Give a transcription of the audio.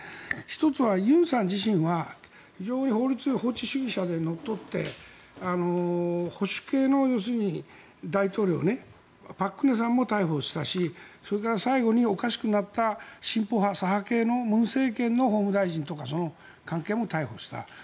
１つは、尹さん自身は非常に法律主義者でのっとって保守系の大統領朴槿惠さんも逮捕したし最後におかしくなった、進歩派左派系の文政権の法務大臣とかその関係も逮捕した。